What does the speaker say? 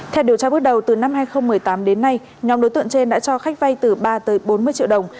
theo điều tra bước đầu từ năm hai nghìn một mươi tám đến nay nhóm đối tượng trên đã cho khách vay từ ba tới bốn mươi triệu đồng